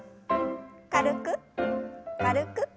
軽く軽く。